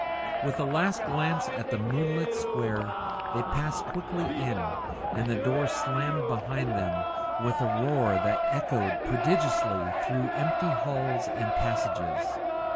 With a last glance at the moonlit square, they passed quickly in, and the door slammed behind them with a roar that echoed prodigiously through empty halls and passages.